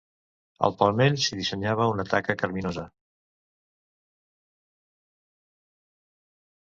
Al palmell s'hi dissenyava una taca carminosa